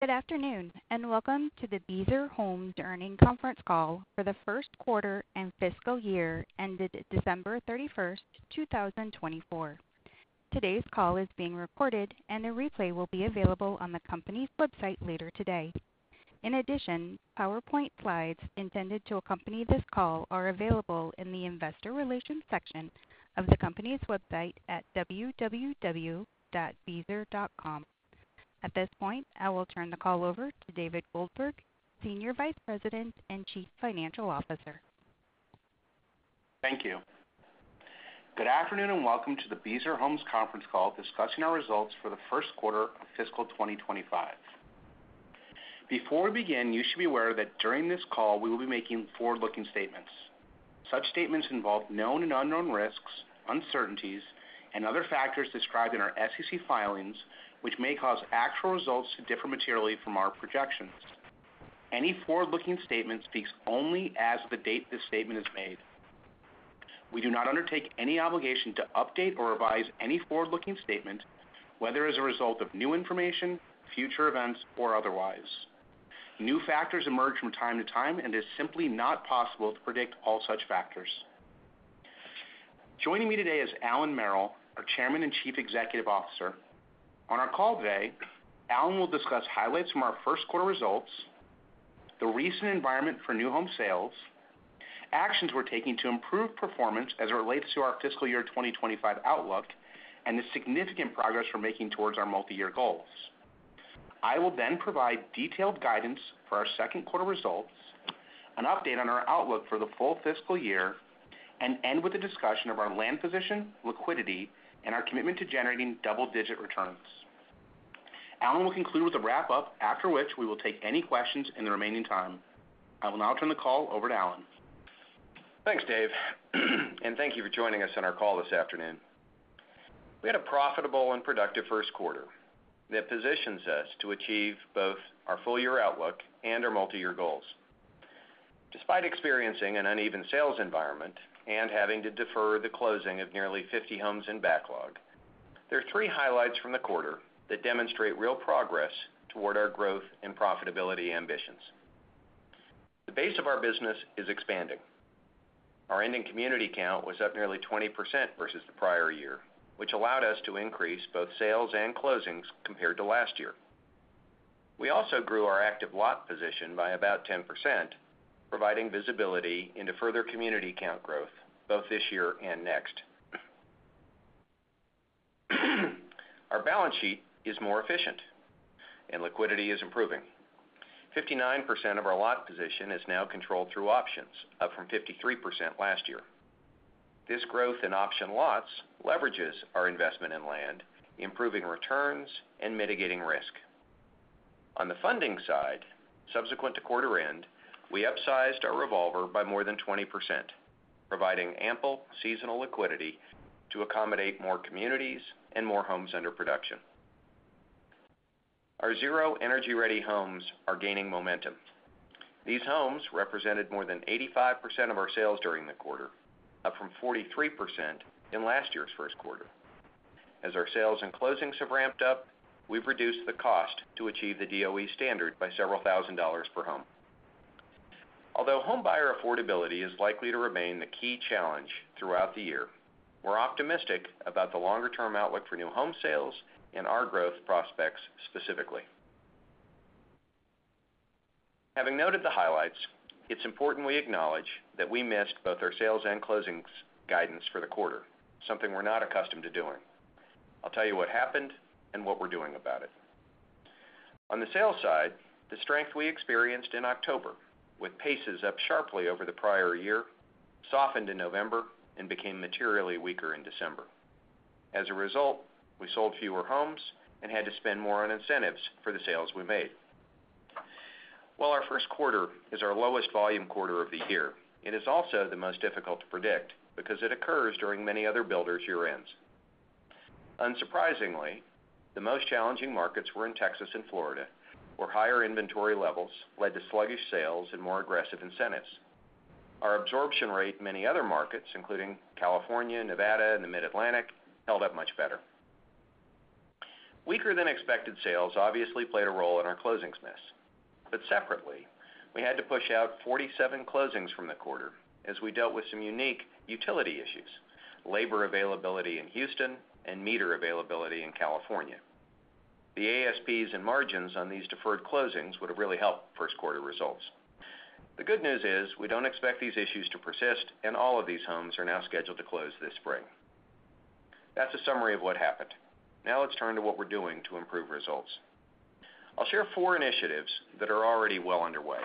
Good afternoon and welcome to the Beazer Homes Earnings Conference Call for the first quarter and fiscal year ended December 31st, 2024. Today's call is being recorded and a replay will be available on the company's website later today. In addition, PowerPoint slides intended to accompany this call are available in the investor relations section of the company's website at www.beazer.com. At this point, I will turn the call over to David Goldberg, Senior Vice President and Chief Financial Officer. Thank you. Good afternoon and welcome to the Beazer Homes conference call discussing our results for the first quarter of fiscal 2025. Before we begin, you should be aware that during this call we will be making forward-looking statements. Such statements involve known and unknown risks, uncertainties, and other factors described in our SEC filings, which may cause actual results to differ materially from our projections. Any forward-looking statement speaks only as of the date this statement is made. We do not undertake any obligation to update or revise any forward-looking statement, whether as a result of new information, future events, or otherwise. New factors emerge from time to time, and it is simply not possible to predict all such factors. Joining me today is Allan Merrill, our Chairman and Chief Executive Officer. On our call today, Allan will discuss highlights from our first quarter results, the recent environment for new home sales, actions we're taking to improve performance as it relates to our fiscal year 2025 outlook, and the significant progress we're making towards our multi-year goals. I will then provide detailed guidance for our second quarter results, an update on our outlook for the full fiscal year, and end with a discussion of our land position, liquidity, and our commitment to generating double-digit returns. Allan will conclude with a wrap-up, after which we will take any questions in the remaining time. I will now turn the call over to Allan. Thanks, Dave, and thank you for joining us on our call this afternoon. We had a profitable and productive first quarter that positions us to achieve both our full-year outlook and our multi-year goals. Despite experiencing an uneven sales environment and having to defer the closing of nearly 50 homes in backlog, there are three highlights from the quarter that demonstrate real progress toward our growth and profitability ambitions. The base of our business is expanding. Our ending community count was up nearly 20% versus the prior year, which allowed us to increase both sales and closings compared to last year. We also grew our active lot position by about 10%, providing visibility into further community count growth both this year and next. Our balance sheet is more efficient, and liquidity is improving. 59% of our lot position is now controlled through options, up from 53% last year. This growth in option lots leverages our investment in land, improving returns and mitigating risk. On the funding side, subsequent to quarter end, we upsized our revolver by more than 20%, providing ample seasonal liquidity to accommodate more communities and more homes under production. Our Zero Energy Ready homes are gaining momentum. These homes represented more than 85% of our sales during the quarter, up from 43% in last year's first quarter. As our sales and closings have ramped up, we've reduced the cost to achieve the DOE standard by several thousand dollars per home. Although home buyer affordability is likely to remain the key challenge throughout the year, we're optimistic about the longer-term outlook for new home sales and our growth prospects specifically. Having noted the highlights, it's important we acknowledge that we missed both our sales and closings guidance for the quarter, something we're not accustomed to doing. I'll tell you what happened and what we're doing about it. On the sales side, the strength we experienced in October, with paces up sharply over the prior year, softened in November and became materially weaker in December. As a result, we sold fewer homes and had to spend more on incentives for the sales we made. While our first quarter is our lowest volume quarter of the year, it is also the most difficult to predict because it occurs during many other builders' year-ends. Unsurprisingly, the most challenging markets were in Texas and Florida, where higher inventory levels led to sluggish sales and more aggressive incentives. Our absorption rate in many other markets, including California, Nevada, and the Mid-Atlantic, held up much better. Weaker-than-expected sales obviously played a role in our closings miss, but separately, we had to push out 47 closings from the quarter as we dealt with some unique utility issues: labor availability in Houston and meter availability in California. The ASPs and margins on these deferred closings would have really helped first quarter results. The good news is we don't expect these issues to persist, and all of these homes are now scheduled to close this spring. That's a summary of what happened. Now let's turn to what we're doing to improve results. I'll share four initiatives that are already well underway.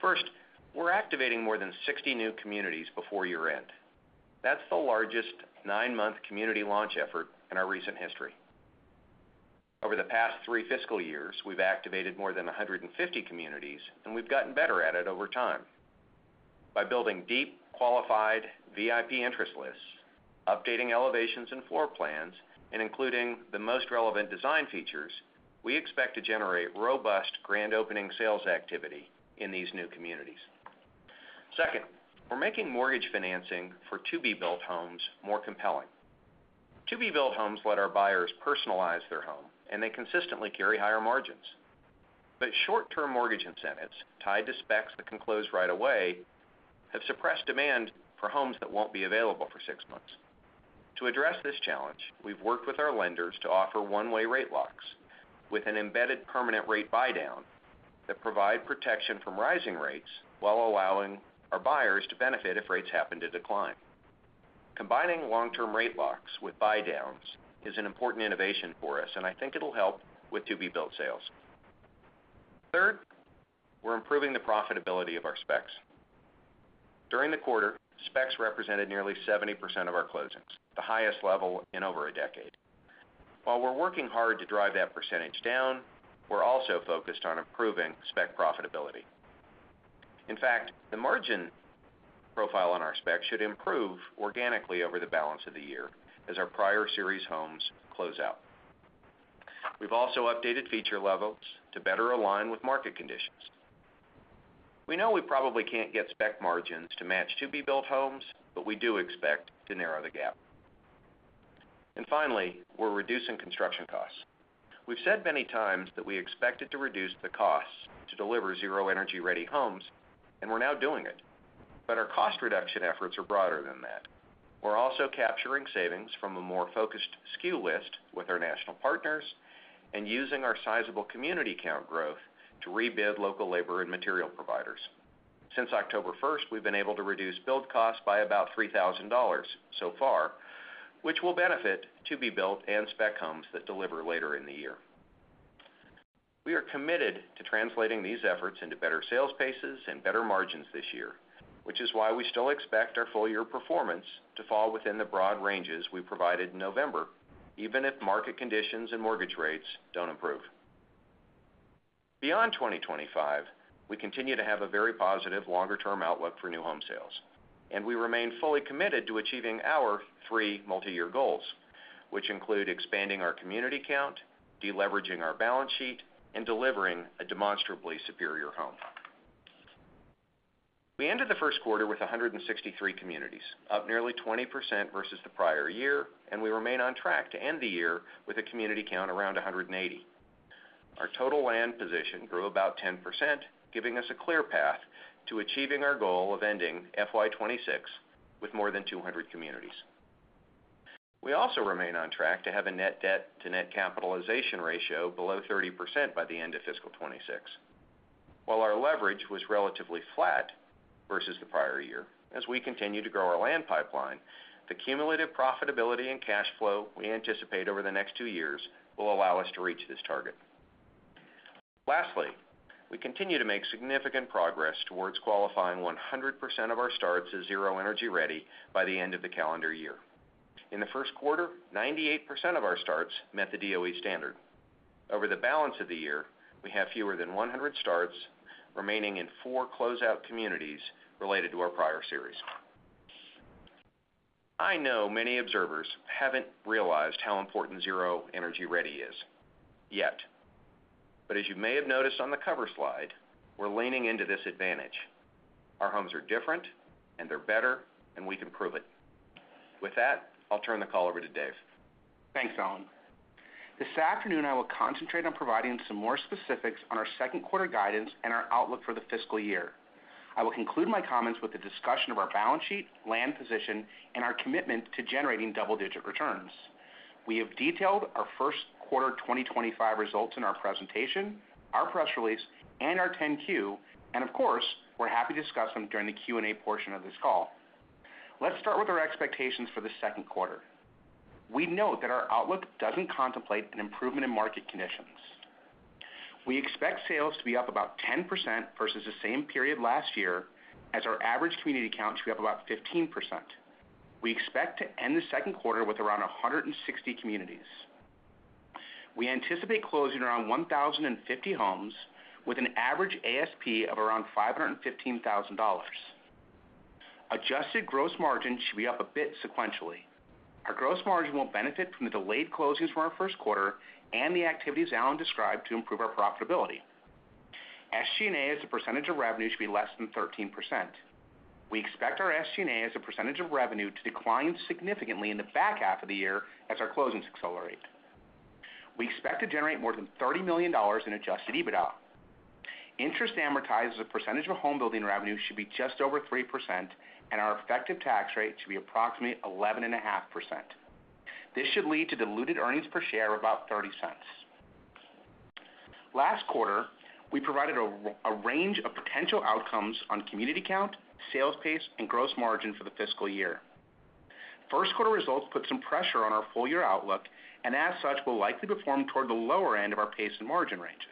First, we're activating more than 60 new communities before year-end. That's the largest nine-month community launch effort in our recent history. Over the past three fiscal years, we've activated more than 150 communities, and we've gotten better at it over time. By building deep, qualified VIP interest lists, updating elevations and floor plans, and including the most relevant design features, we expect to generate robust grand opening sales activity in these new communities. Second, we're making mortgage financing for to-be-built homes more compelling. To-be-built homes let our buyers personalize their home, and they consistently carry higher margins. But short-term mortgage incentives tied to specs that can close right away have suppressed demand for homes that won't be available for six months. To address this challenge, we've worked with our lenders to offer one-way rate locks with an embedded permanent rate buy-down that provide protection from rising rates while allowing our buyers to benefit if rates happen to decline. Combining long-term rate locks with buy-downs is an important innovation for us, and I think it'll help with to-be-built sales. Third, we're improving the profitability of our specs. During the quarter, specs represented nearly 70% of our closings, the highest level in over a decade. While we're working hard to drive that percentage down, we're also focused on improving spec profitability. In fact, the margin profile on our specs should improve organically over the balance of the year as our prior series homes close out. We've also updated feature levels to better align with market conditions. We know we probably can't get spec margins to match to-be-built homes, but we do expect to narrow the gap. And finally, we're reducing construction costs. We've said many times that we expected to reduce the costs to deliver Zero Energy Ready homes, and we're now doing it. But our cost reduction efforts are broader than that. We're also capturing savings from a more focused SKU list with our national partners and using our sizable community count growth to rebid local labor and material providers. Since October 1st, we've been able to reduce build costs by about $3,000 so far, which will benefit to-be-built and spec homes that deliver later in the year. We are committed to translating these efforts into better sales paces and better margins this year, which is why we still expect our full-year performance to fall within the broad ranges we provided in November, even if market conditions and mortgage rates don't improve. Beyond 2025, we continue to have a very positive longer-term outlook for new home sales, and we remain fully committed to achieving our three multi-year goals, which include expanding our community count, deleveraging our balance sheet, and delivering a demonstrably superior home. We ended the first quarter with 163 communities, up nearly 20% versus the prior year, and we remain on track to end the year with a community count around 180. Our total land position grew about 10%, giving us a clear path to achieving our goal of ending FY26 with more than 200 communities. We also remain on track to have a net debt-to-net capitalization ratio below 30% by the end of fiscal 26. While our leverage was relatively flat versus the prior year, as we continue to grow our land pipeline, the cumulative profitability and cash flow we anticipate over the next two years will allow us to reach this target. Lastly, we continue to make significant progress towards qualifying 100% of our starts as Zero Energy Ready by the end of the calendar year. In the first quarter, 98% of our starts met the DOE standard. Over the balance of the year, we have fewer than 100 starts remaining in four closeout communities related to our prior series. I know many observers haven't realized how important Zero Energy Ready is yet, but as you may have noticed on the cover slide, we're leaning into this advantage. Our homes are different, and they're better, and we can prove it. With that, I'll turn the call over to Dave. Thanks, Allan. This afternoon, I will concentrate on providing some more specifics on our second quarter guidance and our outlook for the fiscal year. I will conclude my comments with a discussion of our balance sheet, land position, and our commitment to generating double-digit returns. We have detailed our first quarter 2025 results in our presentation, our press release, and our 10-Q, and of course, we're happy to discuss them during the Q&A portion of this call. Let's start with our expectations for the second quarter. We note that our outlook doesn't contemplate an improvement in market conditions. We expect sales to be up about 10% versus the same period last year, as our average community count should be up about 15%. We expect to end the second quarter with around 160 communities. We anticipate closing around 1,050 homes with an average ASP of around $515,000. Adjusted gross margin should be up a bit sequentially. Our gross margin will benefit from the delayed closings from our first quarter and the activities Allan described to improve our profitability. SG&A as a percentage of revenue should be less than 13%. We expect our SG&A as a percentage of revenue to decline significantly in the back half of the year as our closings accelerate. We expect to generate more than $30 million in adjusted EBITDA. Interest amortized as a percentage of home building revenue should be just over 3%, and our effective tax rate should be approximately 11.5%. This should lead to diluted earnings per share of about $0.30. Last quarter, we provided a range of potential outcomes on community count, sales pace, and gross margin for the fiscal year. First quarter results put some pressure on our full-year outlook, and as such, we'll likely perform toward the lower end of our pace and margin ranges.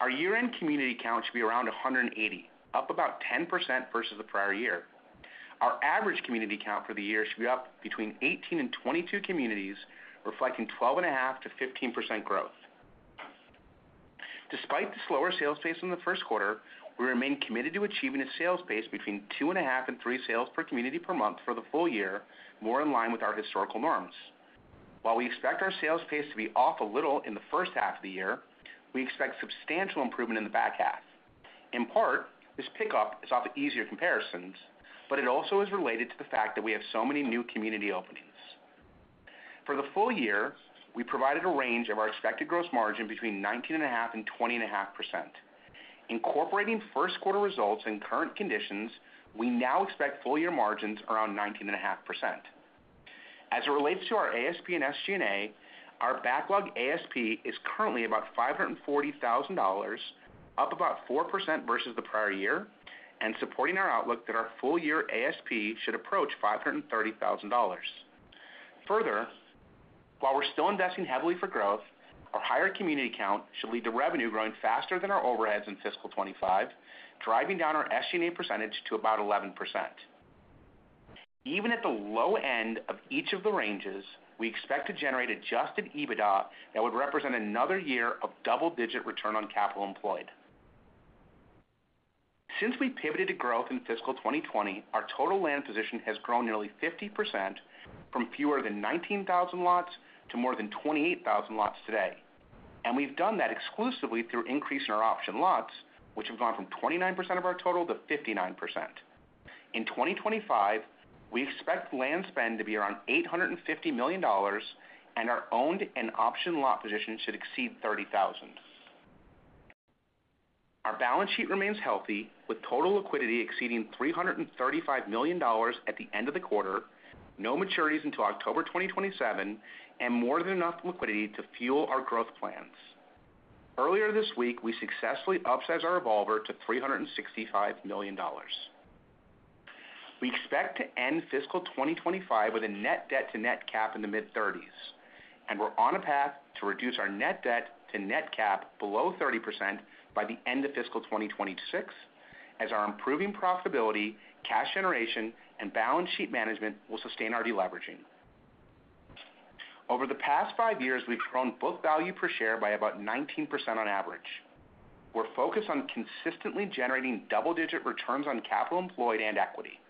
Our year-end community count should be around 180, up about 10% versus the prior year. Our average community count for the year should be up between 18 and 22 communities, reflecting 12.5 to 15% growth. Despite the slower sales pace in the first quarter, we remain committed to achieving a sales pace between 2.5 and 3 sales per community per month for the full year, more in line with our historical norms. While we expect our sales pace to be off a little in the first half of the year, we expect substantial improvement in the back half. In part, this pickup is off easier comparisons, but it also is related to the fact that we have so many new community openings. For the full year, we provided a range of our expected gross margin between 19.5% and 20.5%. Incorporating first quarter results and current conditions, we now expect full-year margins around 19.5%. As it relates to our ASP and SG&A, our backlog ASP is currently about $540,000, up about 4% versus the prior year, and supporting our outlook that our full-year ASP should approach $530,000. Further, while we're still investing heavily for growth, our higher community count should lead to revenue growing faster than our overheads in fiscal 2025, driving down our SG&A percentage to about 11%. Even at the low end of each of the ranges, we expect to generate adjusted EBITDA that would represent another year of double-digit return on capital employed. Since we pivoted to growth in fiscal 2020, our total land position has grown nearly 50% from fewer than 19,000 lots to more than 28,000 lots today. We've done that exclusively through increasing our option lots, which have gone from 29% of our total to 59%. In 2025, we expect land spend to be around $850 million, and our owned and optioned lot position should exceed 30,000. Our balance sheet remains healthy, with total liquidity exceeding $335 million at the end of the quarter, no maturities until October 2027, and more than enough liquidity to fuel our growth plans. Earlier this week, we successfully upsized our revolver to $365 million. We expect to end fiscal 2025 with a net debt-to-net cap in the mid-30s, and we're on a path to reduce our net debt-to-net cap below 30% by the end of fiscal 2026, as our improving profitability, cash generation, and balance sheet management will sustain our deleveraging. Over the past five years, we've grown book value per share by about 19% on average. We're focused on consistently generating double-digit returns on capital employed and equity.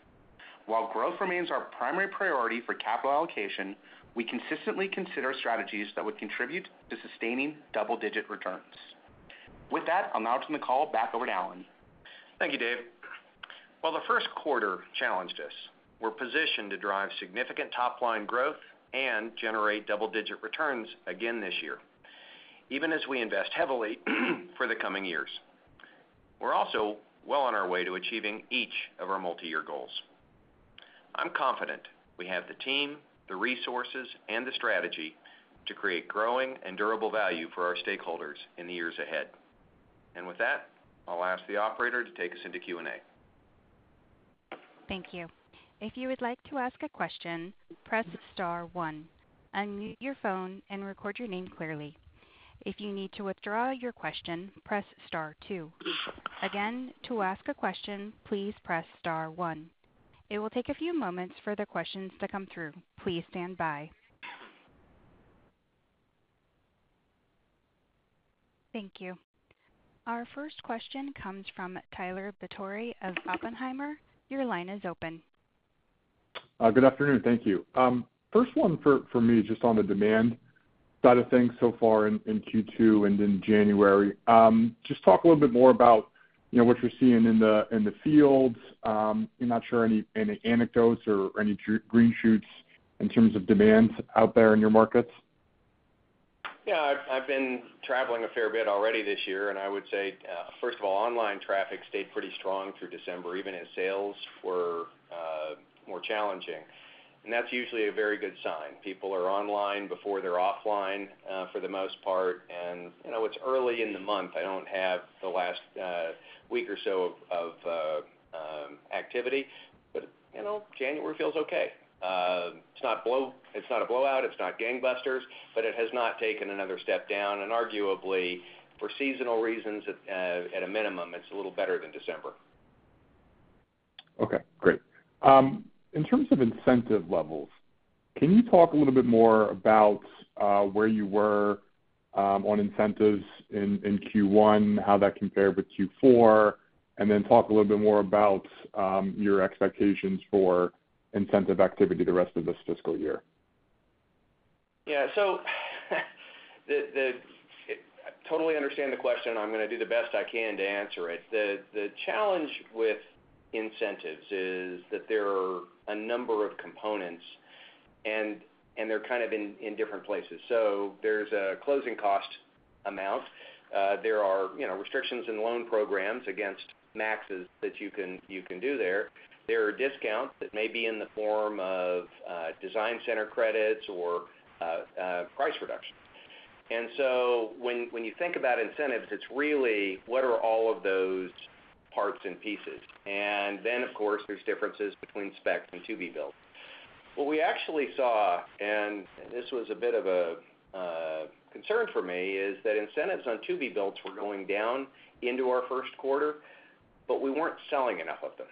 While growth remains our primary priority for capital allocation, we consistently consider strategies that would contribute to sustaining double-digit returns. With that, I'll now turn the call back over to Allan. Thank you, Dave. While the first quarter challenged us, we're positioned to drive significant top-line growth and generate double-digit returns again this year, even as we invest heavily for the coming years. We're also well on our way to achieving each of our multi-year goals. I'm confident we have the team, the resources, and the strategy to create growing and durable value for our stakeholders in the years ahead. And with that, I'll ask the operator to take us into Q&A. Thank you. If you would like to ask a question, press star one. Unmute your phone and record your name clearly. If you need to withdraw your question, press star two. Again, to ask a question, please press star one. It will take a few moments for the questions to come through. Please stand by. Thank you. Our first question comes from Tyler Batory of Oppenheimer. Your line is open. Good afternoon. Thank you. First one for me, just on the demand side of things so far in Q2 and in January. Just talk a little bit more about what you're seeing in the fields. You're not sure of any anecdotes or any green shoots in terms of demand out there in your markets? Yeah. I've been traveling a fair bit already this year, and I would say, first of all, online traffic stayed pretty strong through December, even as sales were more challenging, and that's usually a very good sign. People are online before they're offline for the most part, and it's early in the month. I don't have the last week or so of activity, but January feels okay. It's not a blowout. It's not gangbusters, but it has not taken another step down, and arguably, for seasonal reasons, at a minimum, it's a little better than December. Okay. Great. In terms of incentive levels, can you talk a little bit more about where you were on incentives in Q1, how that compared with Q4, and then talk a little bit more about your expectations for incentive activity the rest of this fiscal year? Yeah. So I totally understand the question, and I'm going to do the best I can to answer it. The challenge with incentives is that there are a number of components, and they're kind of in different places. So there's a closing cost amount. There are restrictions in loan programs against maxes that you can do there. There are discounts that may be in the form of design center credits or price reductions. And so when you think about incentives, it's really what are all of those parts and pieces. And then, of course, there's differences between spec and to-be-built. What we actually saw, and this was a bit of a concern for me, is that incentives on to-be-builts were going down into our first quarter, but we weren't selling enough of them.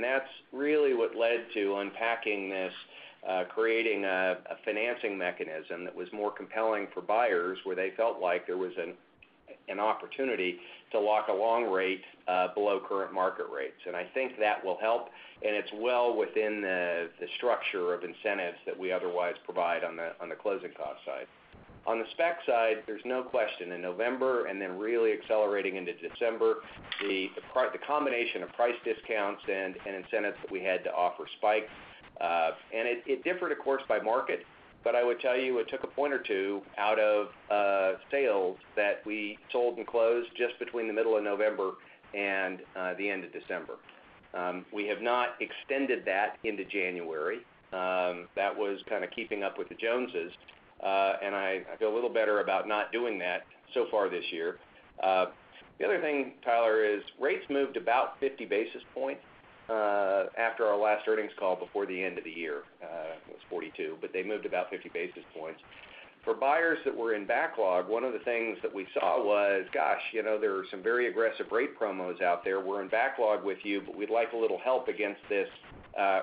That's really what led to unpacking this, creating a financing mechanism that was more compelling for buyers where they felt like there was an opportunity to lock a low rate below current market rates. I think that will help, and it's well within the structure of incentives that we otherwise provide on the closing cost side. On the spec side, there's no question in November and then really accelerating into December, the combination of price discounts and incentives that we had to offer spiked. It differed, of course, by market, but I would tell you it took a point or two out of sales that we sold and closed just between the middle of November and the end of December. We have not extended that into January. That was kind of keeping up with the Joneses, and I feel a little better about not doing that so far this year. The other thing, Tyler, is rates moved about 50 basis points after our last earnings call before the end of the year. It was 42, but they moved about 50 basis points. For buyers that were in backlog, one of the things that we saw was, "Gosh, there are some very aggressive rate promos out there. We're in backlog with you, but we'd like a little help against this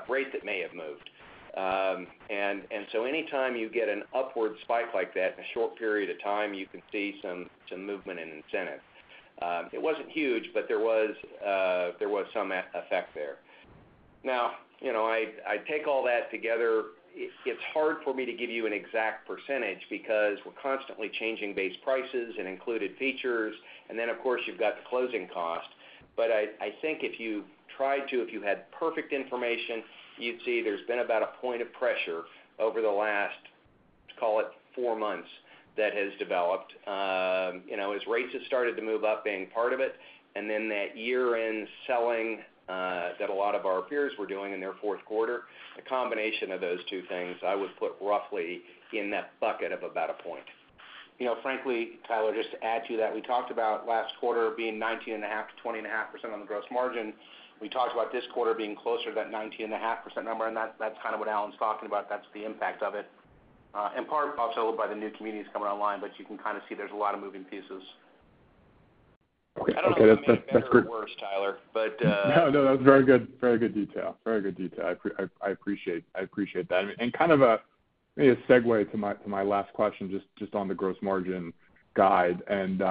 rate that may have moved." And so anytime you get an upward spike like that in a short period of time, you can see some movement in incentives. It wasn't huge, but there was some effect there. Now, I take all that together. It's hard for me to give you an exact percentage because we're constantly changing base prices and included features, and then, of course, you've got the closing cost. But I think if you tried to, if you had perfect information, you'd see there's been about a point of pressure over the last, call it, four months that has developed as rates have started to move up being part of it, and then that year-end selling that a lot of our peers were doing in their fourth quarter, a combination of those two things, I would put roughly in that bucket of about a point. Frankly, Tyler, just to add to that, we talked about last quarter being 19.5%-20.5% on the gross margin. We talked about this quarter being closer to that 19.5% number, and that's kind of what Allan's talking about. That's the impact of it, in part also by the new communities coming online, but you can kind of see there's a lot of moving pieces. Okay. That's good. I don't know if I can say that word, Tyler, but. No, no. That's very good. Very good detail. Very good detail. I appreciate that. And kind of maybe a segue to my last question just on the gross margin guide. And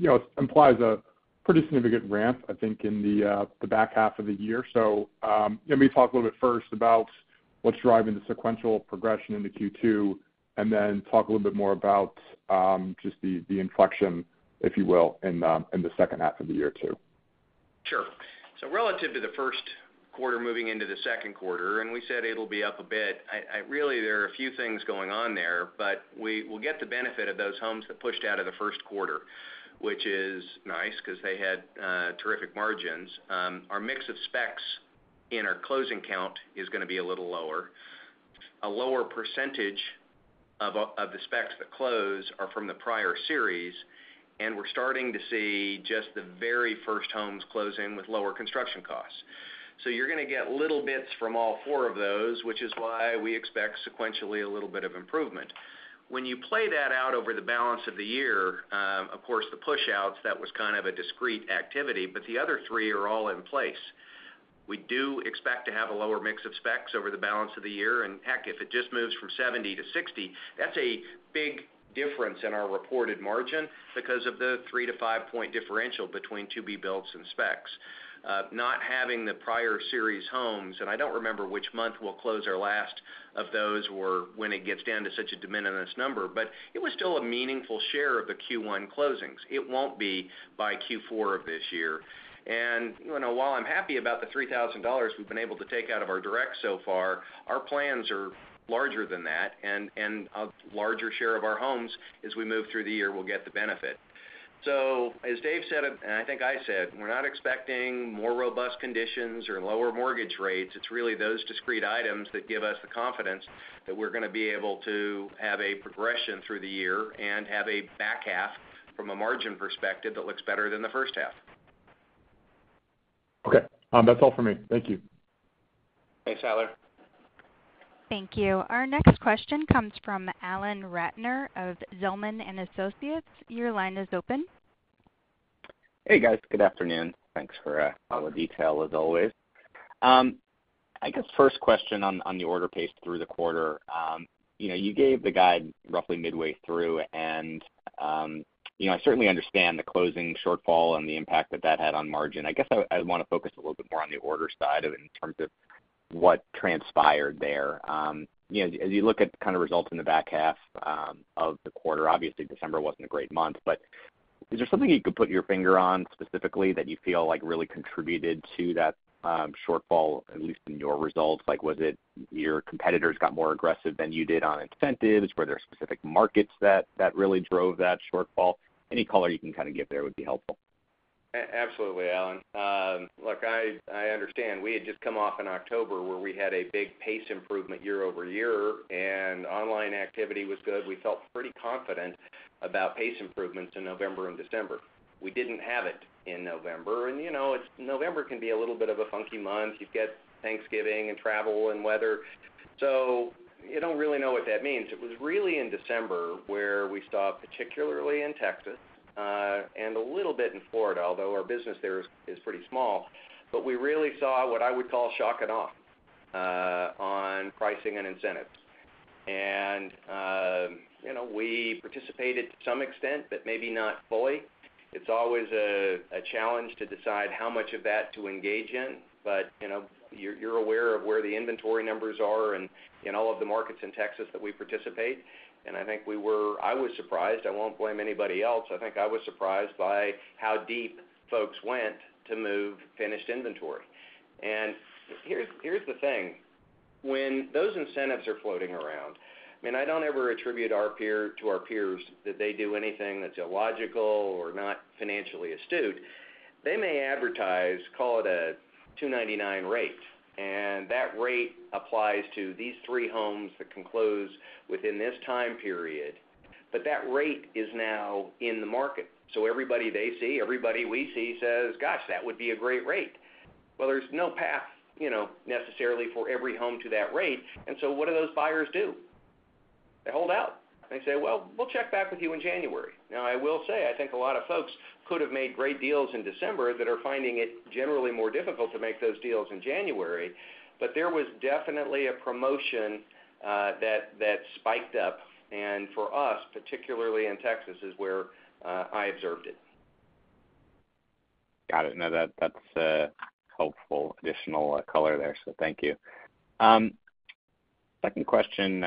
it implies a pretty significant ramp, I think, in the back half of the year. So maybe talk a little bit first about what's driving the sequential progression into Q2, and then talk a little bit more about just the inflection, if you will, in the second half of the year too. Sure. So relative to the first quarter moving into the second quarter, and we said it'll be up a bit, really, there are a few things going on there, but we'll get the benefit of those homes that pushed out of the first quarter, which is nice because they had terrific margins. Our mix of specs in our closing count is going to be a little lower. A lower percentage of the specs that close are from the prior series, and we're starting to see just the very first homes closing with lower construction costs. So you're going to get little bits from all four of those, which is why we expect sequentially a little bit of improvement. When you play that out over the balance of the year, of course, the push-outs, that was kind of a discrete activity, but the other three are all in place. We do expect to have a lower mix of specs over the balance of the year, and heck, if it just moves from 70 to 60, that's a big difference in our reported margin because of the three- to five-point differential between to-be-builts and specs. Not having the prior series homes, and I don't remember which month we'll close our last of those or when it gets down to such a diminished number, but it was still a meaningful share of the Q1 closings. It won't be by Q4 of this year, and while I'm happy about the $3,000 we've been able to take out of our direct so far, our plans are larger than that, and a larger share of our homes, as we move through the year, will get the benefit. So as Dave said, and I think I said, we're not expecting more robust conditions or lower mortgage rates. It's really those discrete items that give us the confidence that we're going to be able to have a progression through the year and have a back half from a margin perspective that looks better than the first half. Okay. That's all for me. Thank you. Thanks, Tyler. Thank you. Our next question comes from Alan Ratner of Zelman & Associates. Your line is open. Hey, guys. Good afternoon. Thanks for all the detail as always. I guess first question on the order pace through the quarter. You gave the guide roughly midway through, and I certainly understand the closing shortfall and the impact that that had on margin. I guess I want to focus a little bit more on the order side in terms of what transpired there. As you look at kind of results in the back half of the quarter, obviously, December wasn't a great month, but is there something you could put your finger on specifically that you feel like really contributed to that shortfall, at least in your results? Was it your competitors got more aggressive than you did on incentives? Were there specific markets that really drove that shortfall? Any color you can kind of give there would be helpful. Absolutely, Alan. Look, I understand. We had just come off in October where we had a big pace improvement year over year, and online activity was good. We felt pretty confident about pace improvements in November and December. We didn't have it in November, and November can be a little bit of a funky month. You've got Thanksgiving and travel and weather. So you don't really know what that means. It was really in December where we saw, particularly in Texas and a little bit in Florida, although our business there is pretty small, but we really saw what I would call shock and awe on pricing and incentives, and we participated to some extent, but maybe not fully. It's always a challenge to decide how much of that to engage in, but you're aware of where the inventory numbers are in all of the markets in Texas that we participate. And I think we were—I was surprised. I won't blame anybody else. I think I was surprised by how deep folks went to move finished inventory. And here's the thing. When those incentives are floating around, I mean, I don't ever attribute to our peers that they do anything that's illogical or not financially astute. They may advertise, call it a 2.99 rate, and that rate applies to these three homes that can close within this time period, but that rate is now in the market. So everybody they see, everybody we see says, "Gosh, that would be a great rate." Well, there's no path necessarily for every home to that rate. So what do those buyers do? They hold out. They say, "Well, we'll check back with you in January." Now, I will say I think a lot of folks could have made great deals in December that are finding it generally more difficult to make those deals in January, but there was definitely a promotion that spiked up. For us, particularly in Texas, is where I observed it. Got it. No, that's helpful additional color there, so thank you. Second question,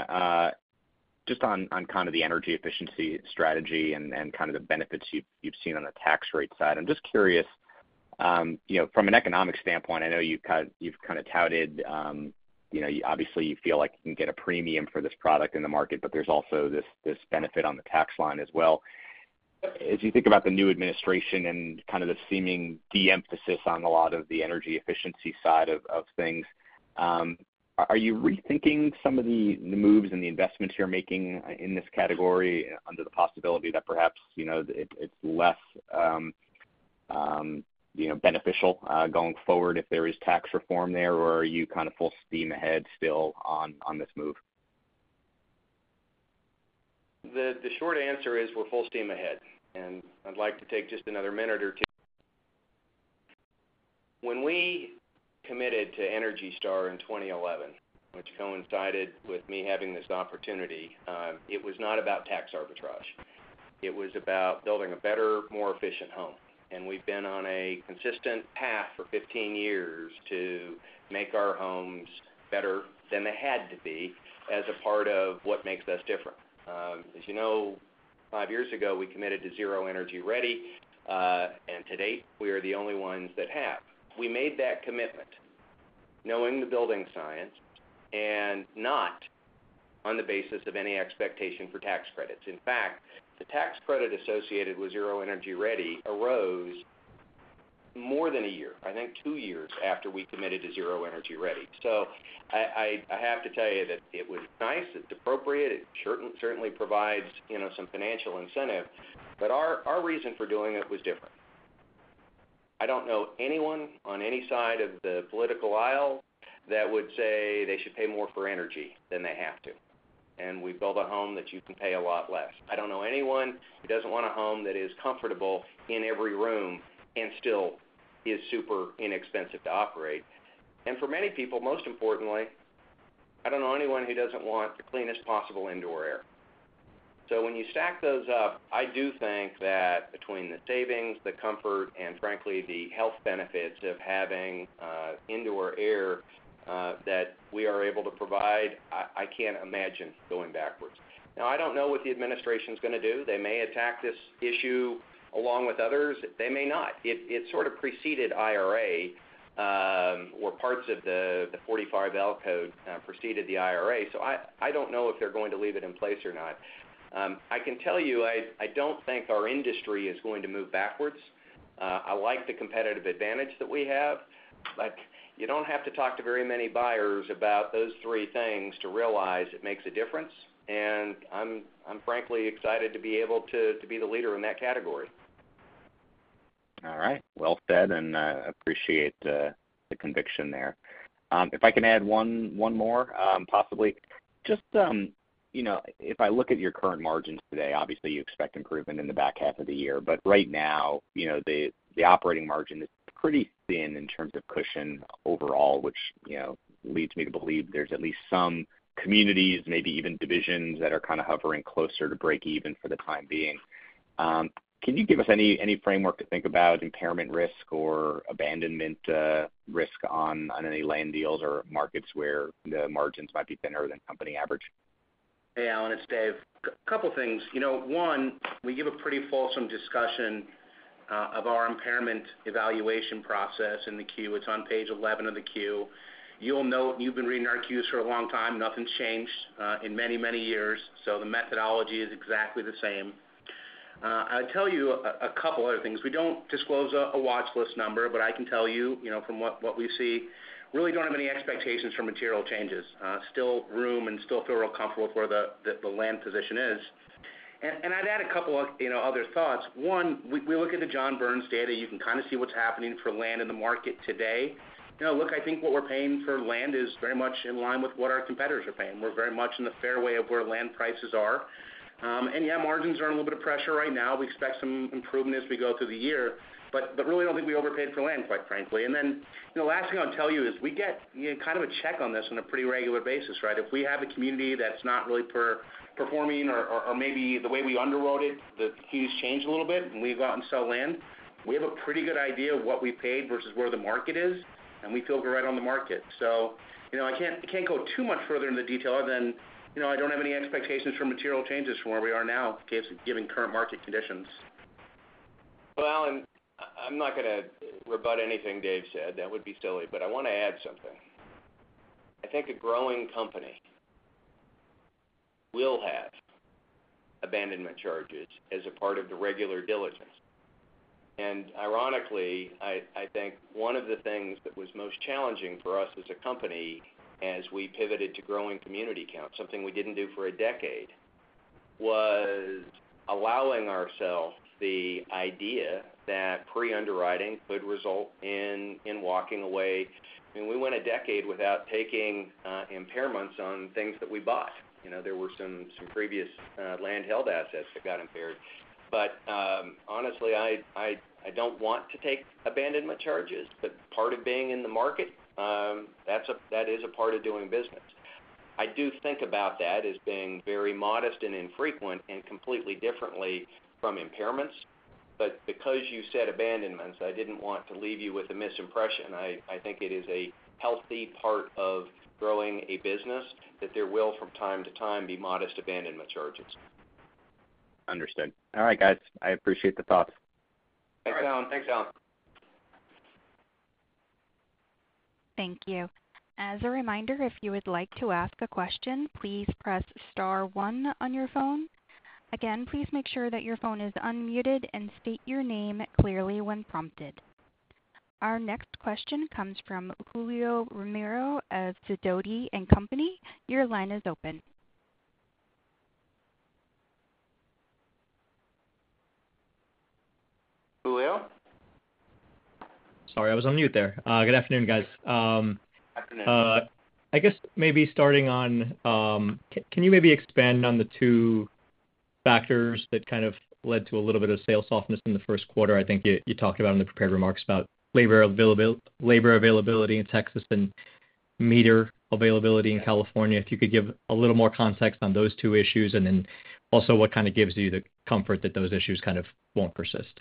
just on kind of the energy efficiency strategy and kind of the benefits you've seen on the tax rate side. I'm just curious, from an economic standpoint, I know you've kind of touted obviously you feel like you can get a premium for this product in the market, but there's also this benefit on the tax line as well. As you think about the new administration and kind of the seeming de-emphasis on a lot of the energy efficiency side of things, are you rethinking some of the moves and the investments you're making in this category under the possibility that perhaps it's less beneficial going forward if there is tax reform there, or are you kind of full steam ahead still on this move? The short answer is we're full steam ahead. And I'd like to take just another minute or two. When we committed to Energy Star in 2011, which coincided with me having this opportunity, it was not about tax arbitrage. It was about building a better, more efficient home. And we've been on a consistent path for 15 years to make our homes better than they had to be as a part of what makes us different. As you know, five years ago, we committed to Zero Energy Ready, and to date, we are the only ones that have. We made that commitment knowing the building science and not on the basis of any expectation for tax credits. In fact, the tax credit associated with Zero Energy Ready arose more than a year, I think two years after we committed to Zero Energy Ready. So I have to tell you that it was nice. It's appropriate. It certainly provides some financial incentive, but our reason for doing it was different. I don't know anyone on any side of the political aisle that would say they should pay more for energy than they have to, and we build a home that you can pay a lot less. I don't know anyone who doesn't want a home that is comfortable in every room and still is super inexpensive to operate. And for many people, most importantly, I don't know anyone who doesn't want the cleanest possible indoor air. So when you stack those up, I do think that between the savings, the comfort, and frankly, the health benefits of having indoor air that we are able to provide, I can't imagine going backwards. Now, I don't know what the administration's going to do. They may attack this issue along with others. They may not. It sort of preceded IRA or parts of the 45L code preceded the IRA, so I don't know if they're going to leave it in place or not. I can tell you I don't think our industry is going to move backwards. I like the competitive advantage that we have, but you don't have to talk to very many buyers about those three things to realize it makes a difference. And I'm frankly excited to be able to be the leader in that category. All right. Well said, and I appreciate the conviction there. If I can add one more, possibly. Just if I look at your current margins today, obviously, you expect improvement in the back half of the year, but right now, the operating margin is pretty thin in terms of cushion overall, which leads me to believe there's at least some communities, maybe even divisions that are kind of hovering closer to break even for the time being. Can you give us any framework to think about impairment risk or abandonment risk on any land deals or markets where the margins might be thinner than company average? Hey, Alan. It's Dave. A couple of things. One, we give a pretty fulsome discussion of our impairment evaluation process in the queue. It's on page 11 of the queue. You'll note you've been reading our queues for a long time. Nothing's changed in many, many years, so the methodology is exactly the same. I'll tell you a couple of other things. We don't disclose a watch list number, but I can tell you from what we see, really don't have any expectations for material changes. Still room and still feel real comfortable with where the land position is. And I'd add a couple of other thoughts. One, we look at the John Burns data. You can kind of see what's happening for land in the market today. Look, I think what we're paying for land is very much in line with what our competitors are paying. We're very much in the fairway of where land prices are. And yeah, margins are in a little bit of pressure right now. We expect some improvement as we go through the year, but really, I don't think we overpaid for land, quite frankly. And then the last thing I'll tell you is we get kind of a check on this on a pretty regular basis, right? If we have a community that's not really performing or maybe the way we underwrote it, the queues changed a little bit, and we've gotten to sell land, we have a pretty good idea of what we paid versus where the market is, and we feel we're right on the market. So I can't go too much further into detail other than I don't have any expectations for material changes from where we are now given current market conditions. Well, Allan, I'm not going to rebut anything Dave said. That would be silly, but I want to add something. I think a growing company will have abandonment charges as a part of the regular diligence. And ironically, I think one of the things that was most challenging for us as a company as we pivoted to growing community counts, something we didn't do for a decade, was allowing ourselves the idea that pre-underwriting could result in walking away. I mean, we went a decade without taking impairments on things that we bought. There were some previous land-held assets that got impaired. But honestly, I don't want to take abandonment charges, but part of being in the market, that is a part of doing business. I do think about that as being very modest and infrequent and completely differently from impairments. But because you said abandonments, I didn't want to leave you with a misimpression. I think it is a healthy part of growing a business that there will, from time to time, be modest abandonment charges. Understood. All right, guys. I appreciate the thoughts. Thanks, Allan. Thanks, Allan. Thank you. As a reminder, if you would like to ask a question, please press star one on your phone. Again, please make sure that your phone is unmuted and state your name clearly when prompted. Our next question comes from Julio Romero of Sidoti & Company. Your line is open. Julio? Sorry, I was on mute there. Good afternoon, guys. Good afternoon. I guess maybe starting on, can you maybe expand on the two factors that kind of led to a little bit of sales softness in the first quarter? I think you talked about in the prepared remarks about labor availability in Texas and meter availability in California. If you could give a little more context on those two issues and then also what kind of gives you the comfort that those issues kind of won't persist?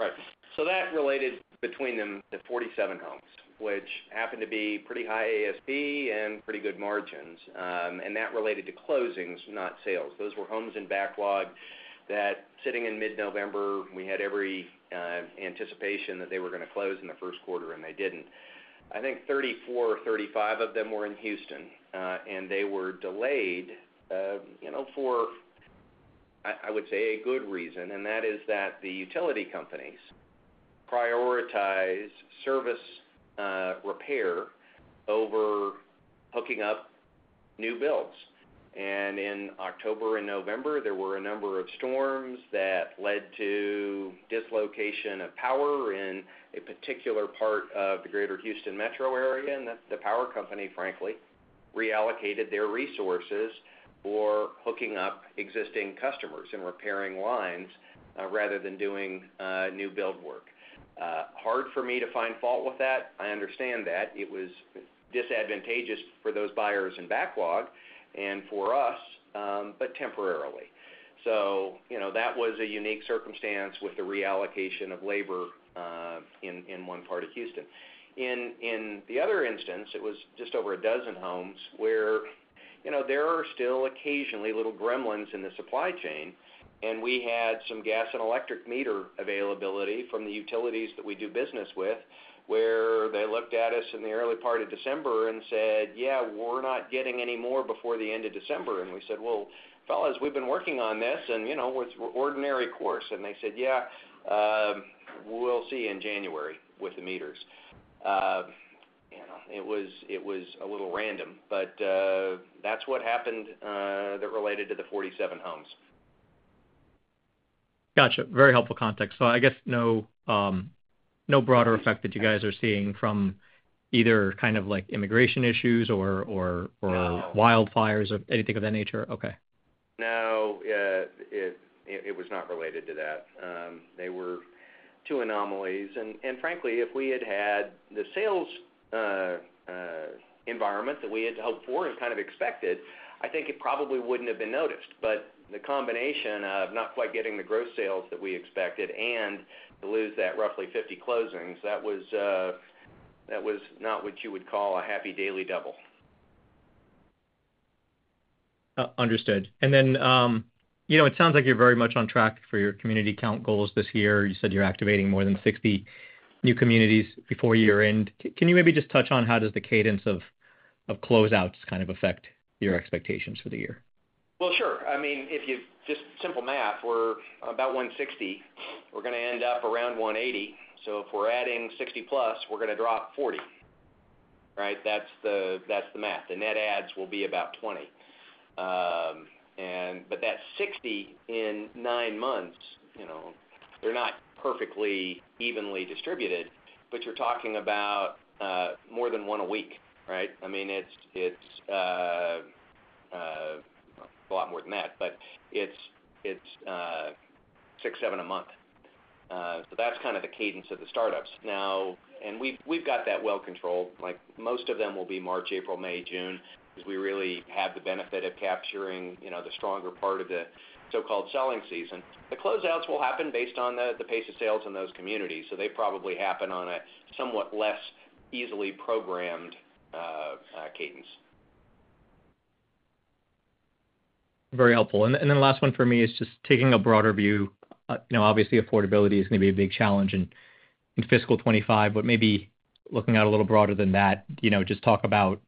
Right. So that related between them to 47 homes, which happened to be pretty high ASP and pretty good margins. And that related to closings, not sales. Those were homes in backlog that, sitting in mid-November, we had every anticipation that they were going to close in the first quarter, and they didn't. I think 34 or 35 of them were in Houston, and they were delayed for, I would say, a good reason, and that is that the utility companies prioritize service repair over hooking up new builds. And in October and November, there were a number of storms that led to dislocation of power in a particular part of the greater Houston metro area, and the power company, frankly, reallocated their resources for hooking up existing customers and repairing lines rather than doing new build work. Hard for me to find fault with that. I understand that. It was disadvantageous for those buyers in backlog and for us, but temporarily. So that was a unique circumstance with the reallocation of labor in one part of Houston. In the other instance, it was just over a dozen homes where there are still occasionally little gremlins in the supply chain, and we had some gas and electric meter availability from the utilities that we do business with where they looked at us in the early part of December and said, "Yeah, we're not getting any more before the end of December." And we said, "Well, fellows, we've been working on this, and we're ordinary course." And they said, "Yeah, we'll see in January with the meters." It was a little random, but that's what happened that related to the 47 homes. Gotcha. Very helpful context. So I guess no broader effect that you guys are seeing from either kind of immigration issues or wildfires or anything of that nature? Okay. No, it was not related to that. They were two anomalies. And frankly, if we had had the sales environment that we had to hope for and kind of expected, I think it probably wouldn't have been noticed. But the combination of not quite getting the gross sales that we expected and to lose that roughly 50 closings, that was not what you would call a happy daily double. Understood. And then it sounds like you're very much on track for your community count goals this year. You said you're activating more than 60 new communities before year-end. Can you maybe just touch on how does the cadence of closeouts kind of affect your expectations for the year? Well, sure. I mean, if you just simple math, we're about 160. We're going to end up around 180. So if we're adding 60 plus, we're going to drop 40, right? That's the math. The net adds will be about 20. But that 60 in nine months, they're not perfectly evenly distributed, but you're talking about more than one a week, right? I mean, it's a lot more than that, but it's six, seven a month. So that's kind of the cadence of the startups. And we've got that well controlled. Most of them will be March, April, May, June because we really have the benefit of capturing the stronger part of the so-called selling season. The closeouts will happen based on the pace of sales in those communities, so they probably happen on a somewhat less easily programmed cadence. Very helpful. And then the last one for me is just taking a broader view. Obviously, affordability is going to be a big challenge in fiscal 2025, but maybe looking at a little broader than that, just talk about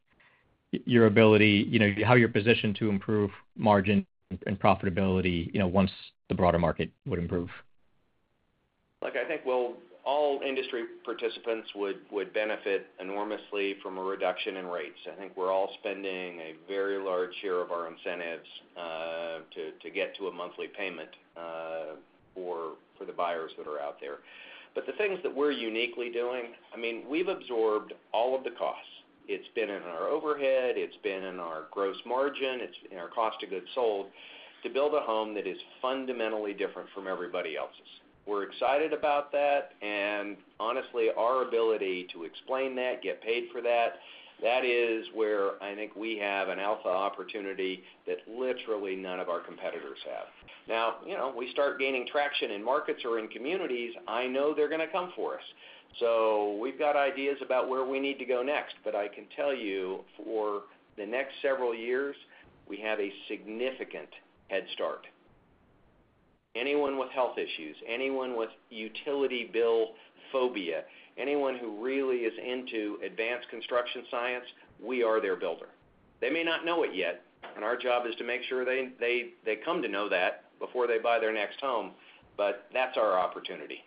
your ability, how you're positioned to improve margin and profitability once the broader market would improve? Look, I think, well, all industry participants would benefit enormously from a reduction in rates. I think we're all spending a very large share of our incentives to get to a monthly payment for the buyers that are out there. But the things that we're uniquely doing, I mean, we've absorbed all of the costs. It's been in our overhead. It's been in our gross margin. It's in our cost of goods sold to build a home that is fundamentally different from everybody else's. We're excited about that. And honestly, our ability to explain that, get paid for that, that is where I think we have an alpha opportunity that literally none of our competitors have. Now, we start gaining traction in markets or in communities, I know they're going to come for us. So we've got ideas about where we need to go next, but I can tell you for the next several years, we have a significant head start. Anyone with health issues, anyone with utility bill phobia, anyone who really is into advanced construction science, we are their builder. They may not know it yet, and our job is to make sure they come to know that before they buy their next home, but that's our opportunity.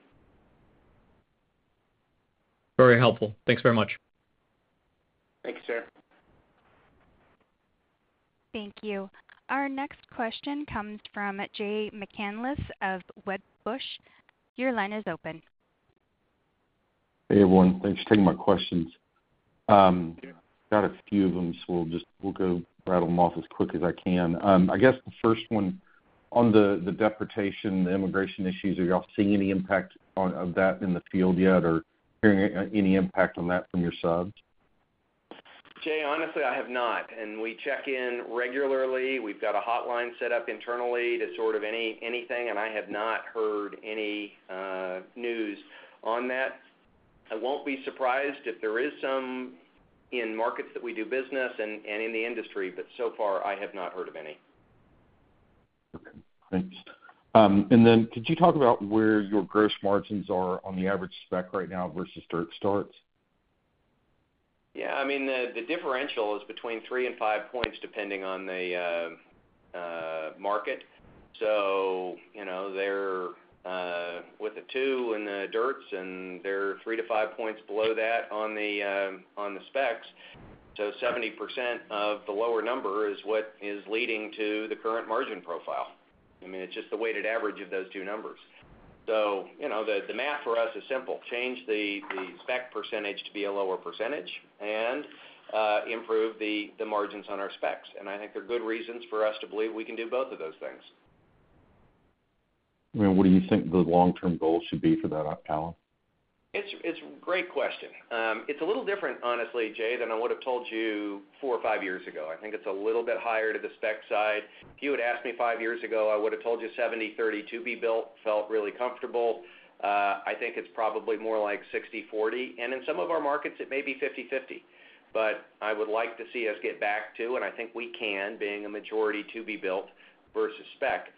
Very helpful. Thanks very much. Thank you, sir. Thank you. Our next question comes from Jay McCanless of Wedbush. Your line is open. Hey, everyone. Thanks for taking my questions. I've got a few of them, so we'll just rattle them off as quick as I can. I guess the first one on the deportation, the immigration issues, are y'all seeing any impact of that in the field yet or hearing any impact on that from your subs? Jay, honestly, I have not, and we check in regularly. We've got a hotline set up internally to sort of anything, and I have not heard any news on that. I won't be surprised if there is some in markets that we do business and in the industry, but so far, I have not heard of any. Okay. Thanks. And then could you talk about where your gross margins are on the average spec right now versus dirt starts? Yeah. I mean, the differential is between three and five points depending on the market. So they're with a two in the to-builts, and they're 3-5 points below that on the specs. So 70% of the lower number is what is leading to the current margin profile. I mean, it's just the weighted average of those two numbers. So the math for us is simple. Change the spec percentage to be a lower percentage and improve the margins on our specs. And I think there are good reasons for us to believe we can do both of those things. I mean, what do you think the long-term goal should be for that, Allan? It's a great question. It's a little different, honestly, Jay, than I would have told you four or five years ago. I think it's a little bit higher to the spec side. If you had asked me five years ago, I would have told you 70/30 to be built, felt really comfortable. I think it's probably more like 60/40. And in some of our markets, it may be 50/50. But I would like to see us get back to, and I think we can, being a majority to be built versus spec.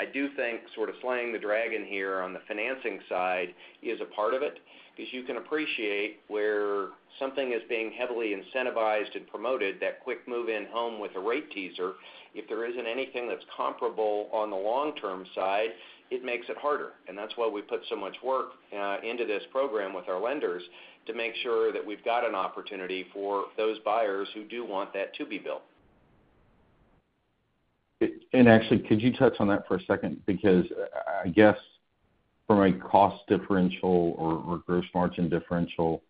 I do think sort of slaying the dragon here on the financing side is a part of it because you can appreciate where something is being heavily incentivized and promoted, that quick move-in home with a rate teaser. If there isn't anything that's comparable on the long-term side, it makes it harder. That's why we put so much work into this program with our lenders to make sure that we've got an opportunity for those buyers who do want that to be built. And actually, could you touch on that for a second? Because I guess for a cost differential or gross margin differential,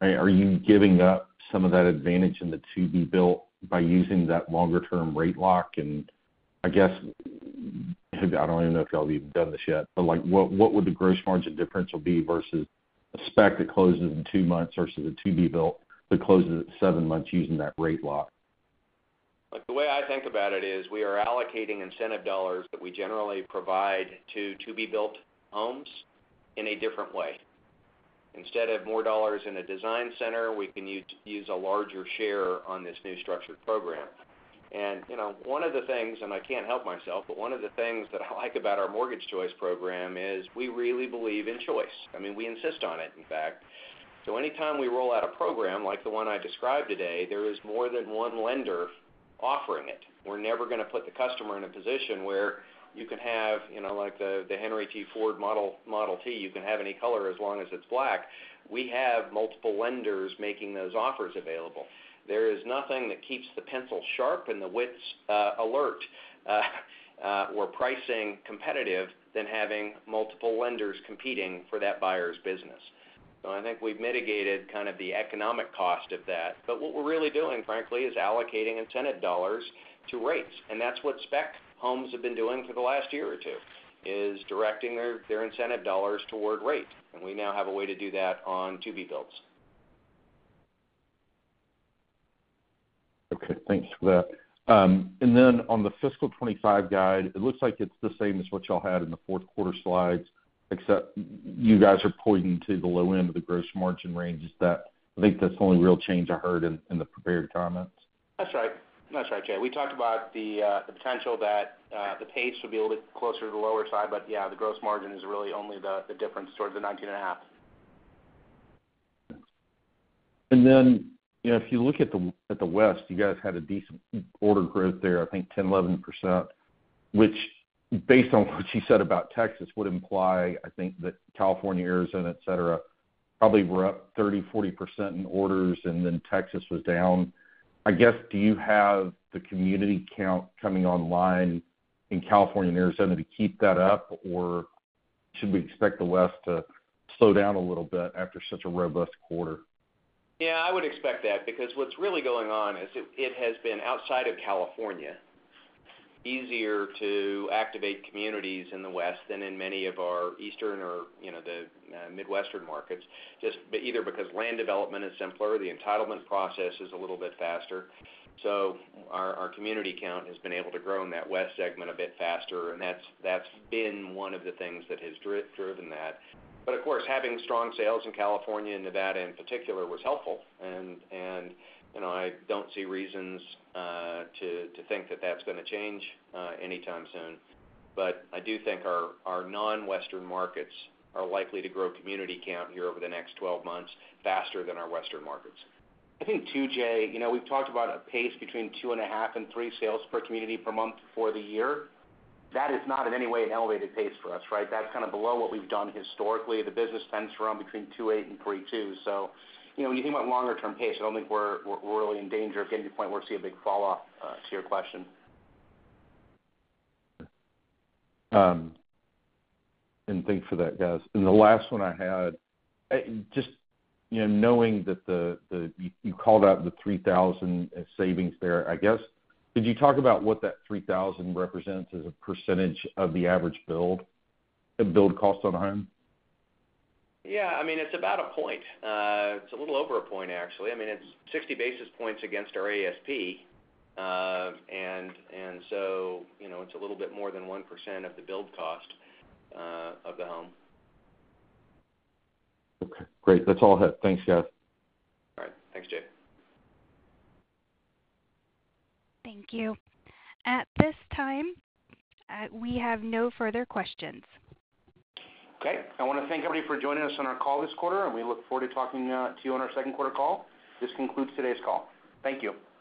are you giving up some of that advantage in the to be built by using that longer-term rate lock? And I guess I don't even know if y'all have even done this yet, but what would the gross margin differential be versus a spec that closes in two months versus a to be built that closes at seven months using that rate lock? The way I think about it is we are allocating incentive dollars that we generally provide to be built homes in a different way. Instead of more dollars in a design center, we can use a larger share on this new structured program, and one of the things, and I can't help myself, but one of the things that I like about our Mortgage Choice program is we really believe in choice. I mean, we insist on it, in fact, so anytime we roll out a program like the one I described today, there is more than one lender offering it. We're never going to put the customer in a position where you can have like the Henry T. Ford Model T, you can have any color as long as it's black. We have multiple lenders making those offers available. There is nothing that keeps the pencil sharp and the wits alert or pricing competitive than having multiple lenders competing for that buyer's business. So I think we've mitigated kind of the economic cost of that. But what we're really doing, frankly, is allocating incentive dollars to rates. And that's what spec homes have been doing for the last year or two, is directing their incentive dollars toward rate. And we now have a way to do that on to be builts. Okay. Thanks for that. And then on the fiscal 2025 guide, it looks like it's the same as what y'all had in the fourth quarter slides, except you guys are pointing to the low end of the gross margin range. I think that's the only real change I heard in the prepared comments. That's right. That's right, Jay. We talked about the potential that the pace would be a little bit closer to the lower side, but yeah, the gross margin is really only the difference towards the 19.5%. And then if you look at the West, you guys had a decent order growth there, I think 10%-11%, which based on what you said about Texas would imply, I think, that California, Arizona, etc., probably were up 30%-40% in orders, and then Texas was down. I guess, do you have the community count coming online in California and Arizona to keep that up, or should we expect the West to slow down a little bit after such a robust quarter? Yeah, I would expect that because what's really going on is it has been outside of California, easier to activate communities in the West than in many of our Eastern or the Midwestern markets, just either because land development is simpler, the entitlement process is a little bit faster. So our community count has been able to grow in that West segment a bit faster, and that's been one of the things that has driven that. But of course, having strong sales in California and Nevada in particular was helpful. And I don't see reasons to think that that's going to change anytime soon. But I do think our non-Western markets are likely to grow community count here over the next 12 months faster than our Western markets. I think, too, Jay, we've talked about a pace between two and a half and three sales per community per month for the year. That is not in any way an elevated pace for us, right? That's kind of below what we've done historically. The business tends to run between 28 and 32. So when you think about longer-term pace, I don't think we're really in danger of getting to a point where we see a big falloff to your question. Thanks for that, guys. The last one I had, just knowing that you called out the $3,000 savings there, I guess, could you talk about what that $3,000 represents as a percentage of the average build cost on a home? Yeah. I mean, it's about a point. It's a little over a point, actually. I mean, it's 60 basis points against our ASP. And so it's a little bit more than 1% of the build cost of the home. Okay. Great. That's all I have. Thanks, guys. All right. Thanks, Jay. Thank you. At this time, we have no further questions. Okay. I want to thank everybody for joining us on our call this quarter, and we look forward to talking to you on our second quarter call. This concludes today's call. Thank you.